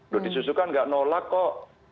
loh disusukan nggak nolak kok